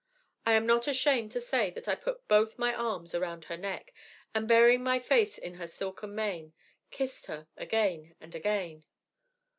I am not ashamed to say that I put both my arms around her neck, and, burying my face in her silken mane, kissed her again and again.